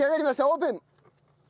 オープン！